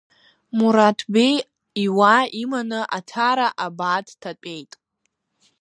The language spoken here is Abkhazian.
Мураҭбеи иуаа иманы Аҭара абаа дҭатәеит.